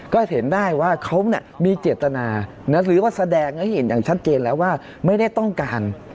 ก็เห็นได้ว่าเขามีเจตนาหรือว่าแสดงให้เห็นอย่างชัดเจนแล้วว่าไม่ได้ต้องการ